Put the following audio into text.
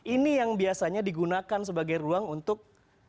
ini yang biasanya digunakan sebagai ruang untuk